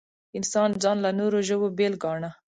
انسان ځان له نورو ژوو بېل ګاڼه.